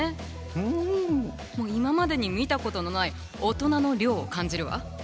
今までに見たことのない大人の諒を感じるわ。